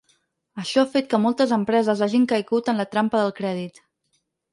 Això ha fet que moltes empreses hagin caigut en la “trampa” del crèdit.